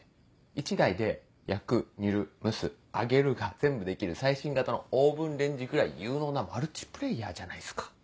１台で焼く煮る蒸す揚げるが全部できる最新型のオーブンレンジぐらい有能なマルチプレーヤーじゃないっすか。